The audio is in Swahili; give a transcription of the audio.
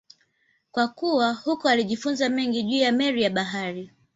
Kwa kukua huko alijifunza mengi juu ya meli na bahari.